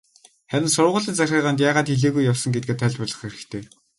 Харин сургуулийн захиргаанд яагаад хэлээгүй явсан гэдгээ тайлбарлах хэрэгтэй.